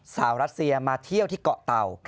รัสเซียมาเที่ยวที่เกาะเต่า